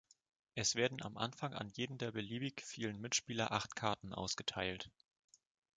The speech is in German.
Es werden am Anfang an jeden der beliebig vielen Mitspieler acht Karten ausgeteilt.